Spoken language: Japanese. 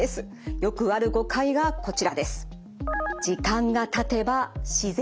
よくある誤解がこちらです。